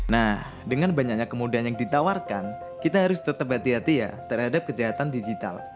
nah dengan banyaknya kemudahan yang ditawarkan kita harus tetap hati hati ya terhadap kejahatan digital